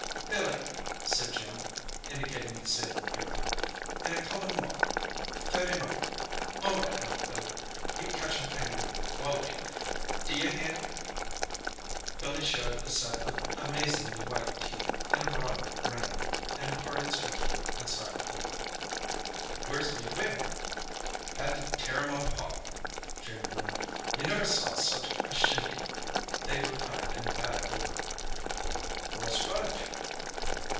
"Billy," said Jim, indicating that sable hero. "In a common walk. Fed him over. All right, now, Billy, you catch um kangaroo, wallaby—d'you hear?" Billy showed a set of amazingly white teeth in a broad grin, and departed swiftly and silently. "Where's Lee Wing?" "Had to tear him off Hogg!" Jim grinned. "You never saw such a shindy. They've retired in bad order." "Where's Fudge?"